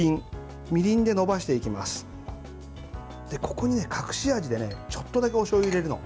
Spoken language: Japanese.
ここに隠し味でねちょっとだけおしょうゆ入れるの。